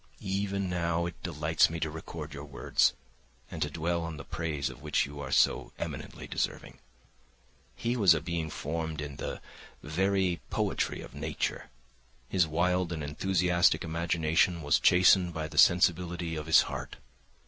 Even now it delights me to record your words and to dwell on the praise of which you are so eminently deserving. He was a being formed in the "very poetry of nature." His wild and enthusiastic imagination was chastened by the sensibility of his heart.